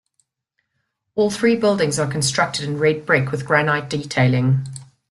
All three buildings are constructed in red brick with granite detailing.